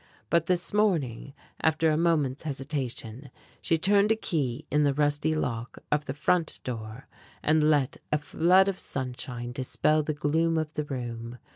But this morning, after a moment's hesitation, she turned a key in the rusty lock of the front door, and let a flood of sunshine dispel the gloom of the room.